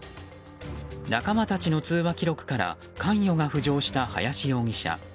仲間たちの通話記録から関与が浮上した林容疑者。